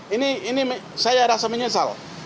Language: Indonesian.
ini saya rasa menyesal